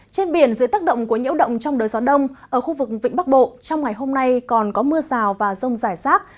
trên biển dưới tác động của nhiễu động trong đời gió đông ở khu vực vĩnh bắc bộ trong ngày hôm nay còn có mưa rào và rông rải rác